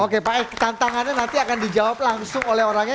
oke pak e tantangannya nanti akan di jawab langsung oleh orangnya